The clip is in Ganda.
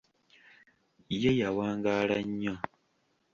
Ye yawangaala nnyo.